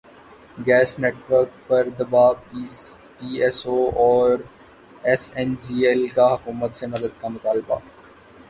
gas network پر دبا P S O اور ایس این جی ایل کا حکومت سے مدد کا مطالبہ